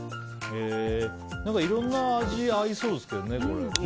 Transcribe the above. いろんな味合いそうですけどね。